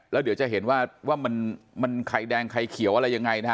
แล้วเดี๋ยวจะเห็นว่ามันไข่แดงไข่เขียวอะไรยังไงนะฮะ